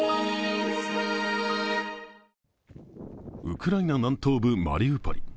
ウクライナ南東部マリウポリ。